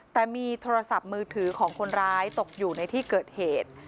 แต่มีโทรศัพท์มือถือของคนร้ายตกอยู่ในที่เกิดเหตุ